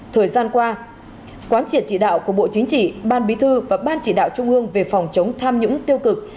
thời gian qua quán triển chỉ đạo của bộ chính trị ban bí thư và ban chỉ đạo trung ương về phòng chống tham nhũng tiêu cực